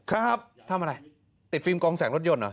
ครับทำอะไรติดฟิล์กองแสงรถยนต์เหรอ